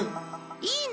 いいね！